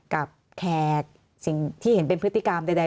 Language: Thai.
แขกสิ่งที่เห็นเป็นพฤติกรรมใด